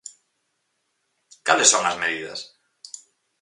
¿Cales son as medidas?